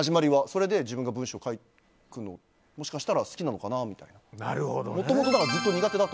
それで自分が文章を書くのがもしかしたら好きなのかなって。